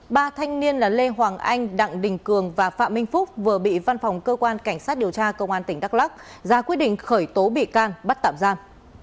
ba thanh niên là lê hoàng anh đặng đình cường và phạm minh phúc vừa bị văn phòng cơ quan cảnh sát điều tra công an tỉnh đắk lắc ra quyết định khởi tố bị can bắt tạm giam